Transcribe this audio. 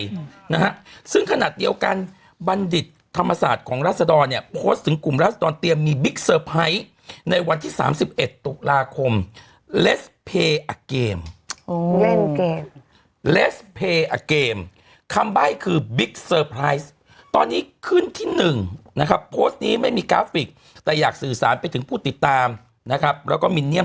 แล้วยังไงล่ะเซียโป้ผมเนี่ยต้องกลัวเขาบอกเขาว่าต้องกลัวเซียโป้